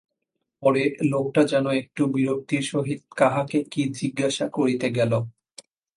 পরে লোকটা যেন একটু বিরক্তির সহিত কাহাকে কি জিজ্ঞাসা করিতে গেল।